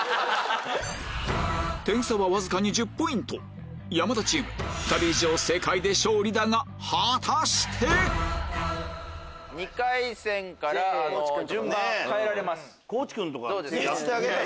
点差はわずかに１０ポイント山田チーム２人以上正解で勝利だが果たして⁉２回戦から順番変えられます。